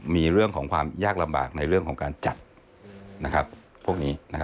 มีเรื่องของความยากลำบากในเรื่องของการจัดพวกนี้